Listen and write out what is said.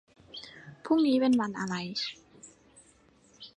พรุ่งนี้เป็นวันอะไร